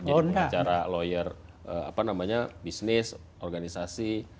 jadi cara lawyer apa namanya bisnis organisasi